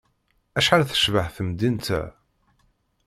Acḥal tecbeḥ temdint-a!